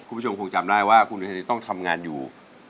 คุณผู้ชมคงจำได้ว่าคุณอุเทนต้องทำงานอยู่